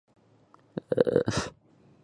体现党中央最新精神